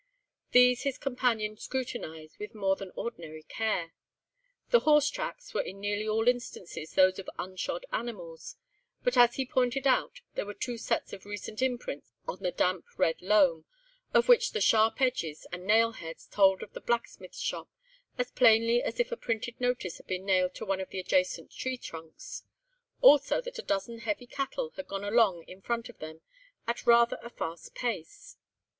These his companion scrutinised with more than ordinary care. The horse tracks were in nearly all instances those of unshod animals, but as he pointed out, there were two sets of recent imprints on the damp red loam, of which the sharp edges and nail heads told of the blacksmith's shop as plainly as if a printed notice had been nailed to one of the adjacent tree trunks; also that a dozen heavy cattle had gone along in front of them at rather a fast pace.